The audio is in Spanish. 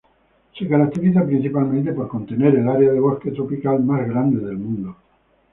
Se caracteriza principalmente por contener el área de bosque tropical más grande del mundo.